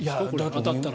当たったら。